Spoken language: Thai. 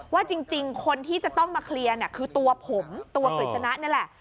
ว่าจริงคนที่จะต้องมาเคลียร์เนี่ยคือตัวผมตัวกฤษณะนี่แหละ